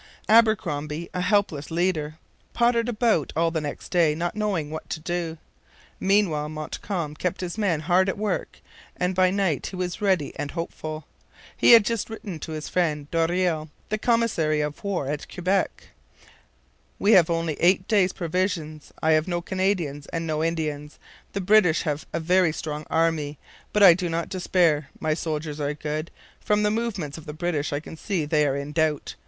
Abercromby, a helpless leader, pottered about all the next day, not knowing what to do. Meanwhile Montcalm kept his men hard at work, and by night he was ready and hopeful. He had just written to his friend Doreil, the commissary of war at Quebec: 'We have only eight days' provisions. I have no Canadians and no Indians. The British have a very strong army. But I do not despair. My soldiers are good. From the movements of the British I can see they are in doubt.